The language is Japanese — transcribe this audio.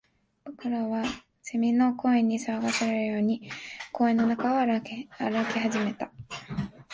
僕らは蝉の声に急かされるように公園の中を歩き始めた